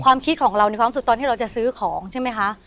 ความคิดของเราในความสุดตอนที่เราจะซื้อของใช่ไหมคะ